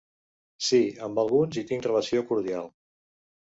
Sí, amb alguns hi tinc relació cordial.